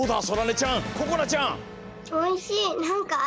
そらねちゃんここなちゃん。